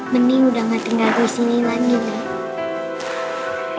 bening udah gak tinggal di sini lagi nek